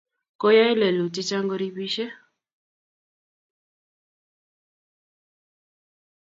koyae lelut chechang koribishe